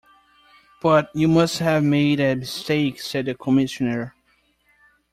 "But you must have made a mistake," said the Commissaire.